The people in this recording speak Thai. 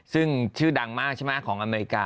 ซึ่งชื่อดังมากใช่ไหมของอเมริกา